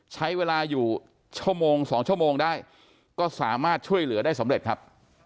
ใช้เวลาอยู่ชั่วโมง๒ชั่วโมงได้ก็สามารถช่วยเหลือได้สำเร็จครับ